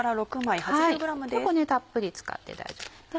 結構たっぷり使って大丈夫で。